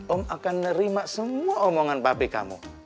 om akan nerima semua omongan pabrik kamu